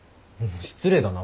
失礼だな。